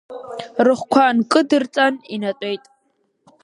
Рыхқәа нкыдырҵан инатәеит.